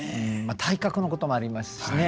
体格のこともありますしね。